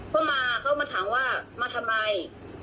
ก็มาเขามาถามว่ามาทำไม